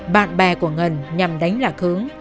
bạn bè của ngân nhằm đánh lạc hướng